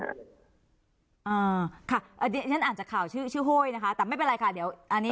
อ่าค่ะอันนี้ฉันอ่านจากข่าวชื่อชื่อโหยนะคะแต่ไม่เป็นไรค่ะเดี๋ยวอันนี้